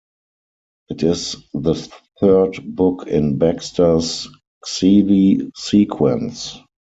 It is the third book in Baxter's Xeelee Sequence.